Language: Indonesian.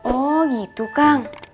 oh gitu kang